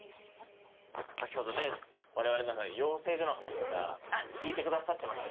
先ほどねわれわれの養成所の話とか聞いてくださってましたけど。